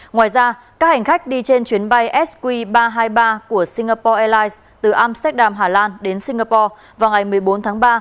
ngoài ra các hành khách đi trên chuyến bay sq ba trăm hai mươi ba của singapore airlines từ amsterdam hà lan đến singapore vào ngày một mươi bốn tháng ba